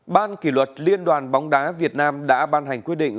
ban kỷ luật liên đoàn bóng đá việt nam đã ban hành quy định